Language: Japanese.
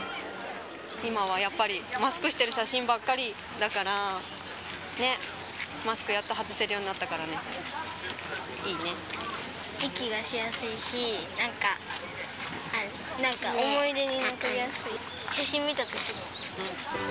今はやっぱりマスクしている写真ばっかりだから、ね、マスクやっと外せるようになったからね、息がしやすいし、なんか、思い出に残りやすい、写真見たときに。